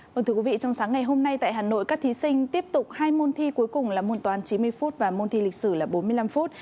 vâng thưa quý vị trong sáng ngày hôm nay tại hà nội các thí sinh tiếp tục hai môn thi cuối cùng là môn toán chín mươi phút và môn thi lịch sử là bốn mươi năm phút